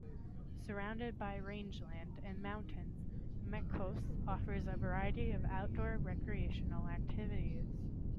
Surrounded by rangeland and mountains, Mancos offers a variety of outdoor recreational activities.